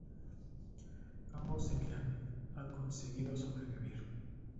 Ambos se miran: han conseguido sobrevivir.